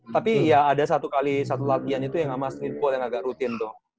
tapi ya ada satu kali satu latihan itu yang sama streetball yang agak rutin dong